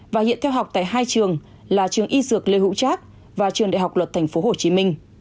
và hiện theo học tại hai trường là trường y dược lê hữu trác và trường đại học luật tp hcm